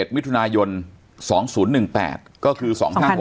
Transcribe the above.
มิถุนายน๒๐๑๘ก็คือ๒๕๖๖